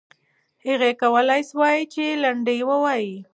هغې کولای سوای چې لنډۍ ووایي.